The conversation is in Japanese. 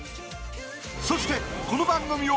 そしてこの番組を